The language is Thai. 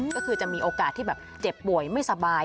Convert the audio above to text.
ก็คือจะมีโอกาสที่แบบเจ็บป่วยไม่สบาย